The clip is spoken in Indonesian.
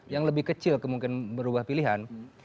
yang lebih kecil kemungkinan berubah pilihan